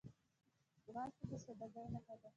ځغاسته د سادګۍ نښه ده